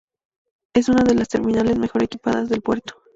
Es una de las terminales mejor equipadas del puerto.